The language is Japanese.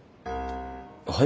はい？